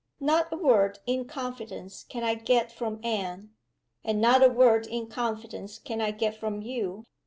Not a word in confidence can I get from Anne. And not a word in confidence can I get from you.